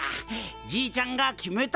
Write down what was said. じいちゃんが決めた！